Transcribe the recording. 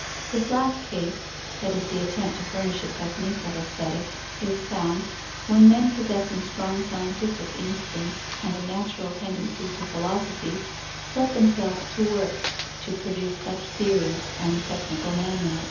This last case (that is, the attempt to furnish a technique of Aesthetic) is found, when men possessing strong scientific instincts and a natural tendency to philosophy, set themselves to work to produce such theories and technical manuals.